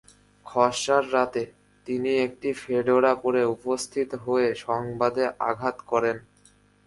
খসড়ার রাতে, তিনি একটি ফেডোরা পরে উপস্থিত হয়ে সংবাদে আঘাত করেন।